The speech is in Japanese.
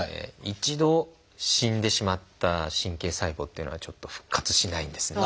一度死んでしまった神経細胞というのはちょっと復活しないんですね。